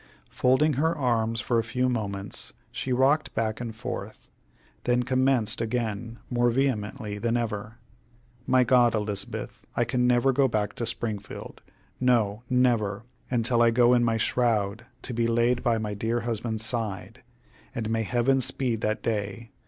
Folding her arms for a few moments, she rocked back and forth, then commenced again, more vehemently than ever: "My God, Elizabeth, I can never go back to Springfield! no, never, until I go in my shroud to be laid by my dear husband's side, and may Heaven speed that day!